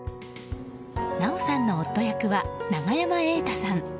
奈緒さんの夫役は永山瑛太さん。